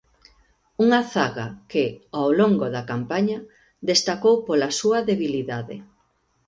Unha zaga que ao longo da campaña destacou pola súa debilidade.